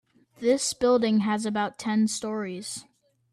This building has about ten storeys.